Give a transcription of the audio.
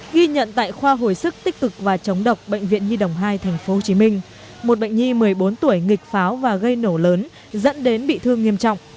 ghi nhận tại khoa hồi sức tích cực và chống độc bệnh viện nhi đồng hai tp hcm một bệnh nhi một mươi bốn tuổi nghịch pháo và gây nổ lớn dẫn đến bị thương nghiêm trọng